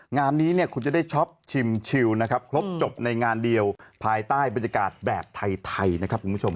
งานนี้เนี่ยคุณจะได้ช็อปชิมชิวนะครับครบจบในงานเดียวภายใต้บรรยากาศแบบไทยนะครับคุณผู้ชม